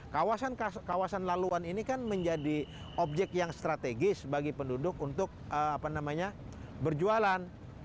kawasan kawasan laluan ini kan menjadi objek yang strategis bagi penduduk untuk berjualan